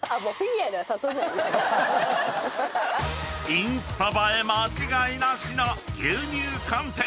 ［インスタ映え間違いなしの牛乳寒天！］